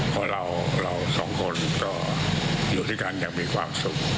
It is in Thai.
พอเราสองคนอยู่ที่กันอย่างมีความสุข